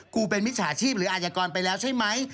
กูเป็นมิจฉาชีพหรืออาจกรไปแล้วใช่ไหม